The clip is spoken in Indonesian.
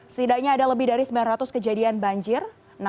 setidaknya ada lebih dari sembilan ratus kejadian banjir